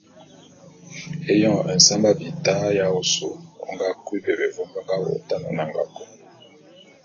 Éyoñ nsamba bita ya ôsu ô nga kui bebé vôm be nga wô’ôtan nnanga kôn.